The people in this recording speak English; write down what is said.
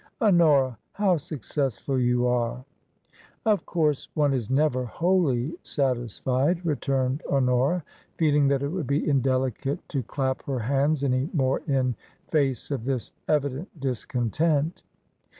^" Honora I How successful you are !"" Of course one is never wholly satisfied," returned Honora, feeling that it would be indelicate to clap her hands any more in face of this evident discontent.